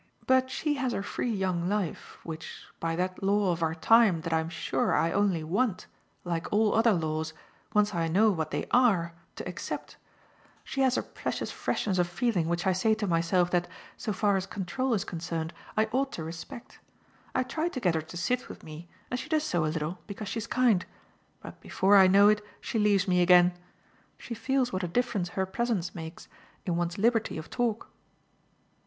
But she has her free young life, which, by that law of our time that I'm sure I only want, like all other laws, once I know what they ARE, to accept she has her precious freshness of feeling which I say to myself that, so far as control is concerned, I ought to respect. I try to get her to sit with me, and she does so a little, because she's kind. But before I know it she leaves me again: she feels what a difference her presence makes in one's liberty of talk."